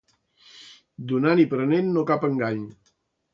Donant i prenent no cap engany.